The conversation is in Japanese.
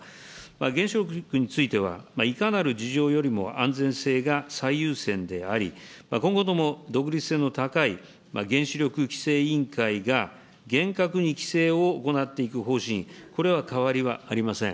原子力については、いかなる事情よりも安全性が最優先であり、今後とも独立性の高い原子力規制委員会が厳格に規制を行っていく方針、これは変わりはありません。